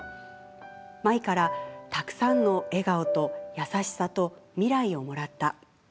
舞からたくさんの笑顔と優しさと未来をもらった。